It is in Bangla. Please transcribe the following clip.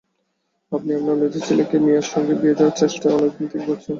আপনি আপনার মেজো ছেলেকে মিয়ার সঙ্গে বিয়ে দেবার চেষ্টা অনেকদিন থেকে করছেন।